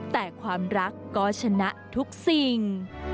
แต่ความรักก็ชนะทุกสิ่ง